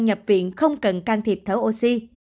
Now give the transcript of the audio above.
nhập viện không cần can thiệp thở oxy